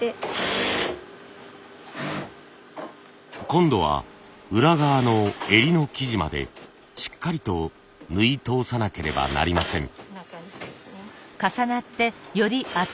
今度は裏側の襟の生地までしっかりと縫い通さなければなりません。